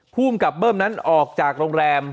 ภูมิกับเบิ้มนั้นออกจากโรงแรม